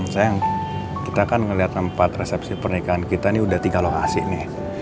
sayang kita kan ngelihat tempat resepsi pernikahan kita nih udah tiga lokasi nih